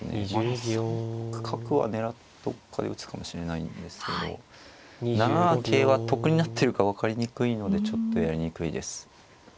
３六角はどっかで打つかもしれないんですけど７七桂は得になってるか分かりにくいのでちょっとやりにくいです。